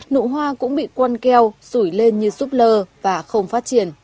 nụ hoa cũng bị quăn keo sủi lên như súp lơ và không phát triển